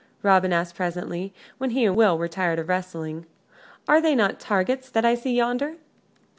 Robin asked, presently, when he and Will were tired of wrestling. "Are they not targets that I see yonder?"